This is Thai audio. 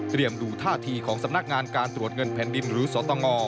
ดูท่าทีของสำนักงานการตรวจเงินแผ่นดินหรือสตง